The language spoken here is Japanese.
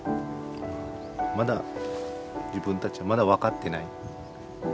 まだ自分たちはまだ分かってない。